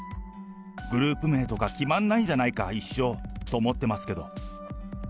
グループ名とか決まんないんじゃないか一生と思ってますけど。